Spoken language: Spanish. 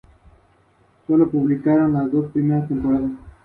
Este tiburón no ataca seres humanos y es completamente seguro.